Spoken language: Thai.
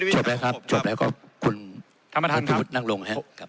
จบแล้วครับจบแล้วก็คุณพี่วุฒินั่งลงครับ